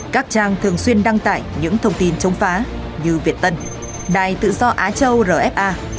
các trang thường xuyên đăng tải những thông tin chống phá như việt tân đài tự do á châu rfa